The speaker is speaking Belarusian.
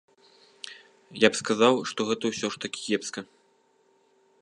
Я б сказаў, што гэта ўсё ж такі кепска.